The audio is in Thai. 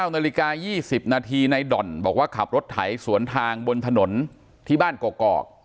๙นาฬิกา๒๐นาทีในด่อนบอกว่าขับรถไถสวนทางบนถนนที่บ้านกอก